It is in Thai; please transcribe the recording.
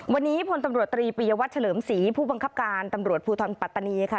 วันนี้พลตำรวจตรีปียวัตรเฉลิมศรีผู้บังคับการตำรวจภูทรปัตตานีค่ะ